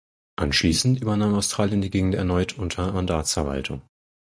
Anschließend übernahm Australien die Gegend erneut unter Mandatsverwaltung.